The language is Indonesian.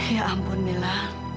ya ampun mila